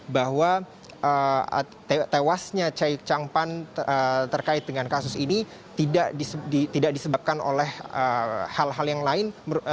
bahwa tewasnya chai chang pan terkait dengan kasus ini tidak disebabkan oleh hal hal yang lain